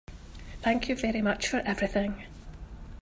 Thank you very much for everything.